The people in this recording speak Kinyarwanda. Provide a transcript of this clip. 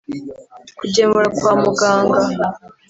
kugemura kwa muganga